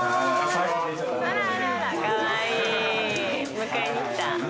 迎えに来た。